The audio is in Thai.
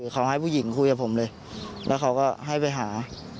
เขาให้ผู้หญิงคุยกับผมเลยแล้วเขาก็ให้ไปหา